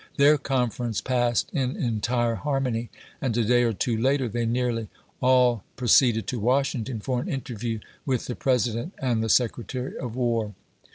Their conference passed in entire har mony ; and a day or two later they nearly all pro ceeded to Washington for an interview with the President and the Secretary of War.